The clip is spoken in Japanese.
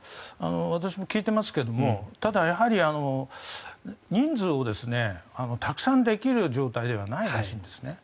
私も聞いていますがただ、やはり人数をたくさんできる状態ではないらしいんですね。